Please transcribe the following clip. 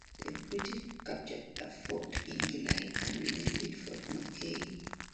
The British captured the fort in July and renamed it Fort McKay.